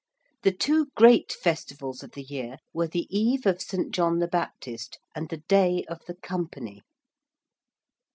The two great festivals of the year were the Eve of St. John the Baptist and the Day of the Company.